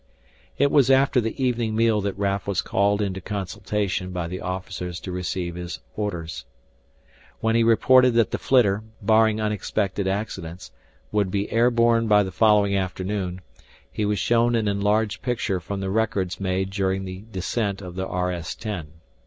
It was after the evening meal that Raf was called into consultation by the officers to receive his orders. When he reported that the flitter, barring unexpected accidents, would be air borne by the following afternoon, he was shown an enlarged picture from the records made during the descent of the RS 10.